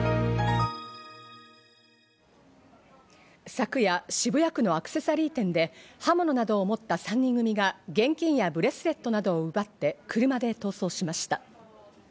昨夜、渋谷区のアクセサリー店で刃物などを持った３人組が、現金やブレスレットなどを奪って、車で逃走しました。